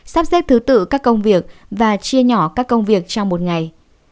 sắp xếp thứ tự các công việc và chia nhỏ các công việc trong một ngày